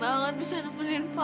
papa dengerin suara mersing gak pak